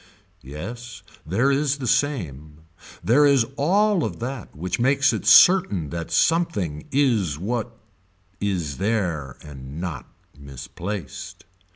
Yes there is the same. There is all of that which makes it certain that something is what is there and not misplaced.